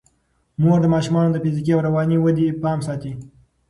مور د ماشومانو د فزیکي او رواني ودې پام ساتي.